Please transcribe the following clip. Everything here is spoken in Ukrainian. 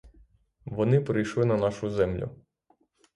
Вони прийшли на нашу землю.